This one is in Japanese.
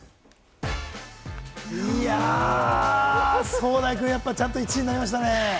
ソウダイくん、やっぱりちゃんと１位になりましたね。